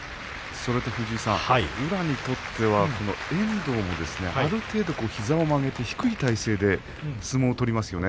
宇良にとっては遠藤もある程度膝を曲げて低い体勢で相撲を取りますよね。